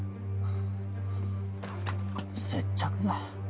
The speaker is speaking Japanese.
接着剤？